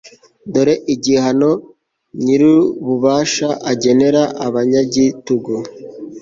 dore igihano nyirububasha agenera abanyagitugu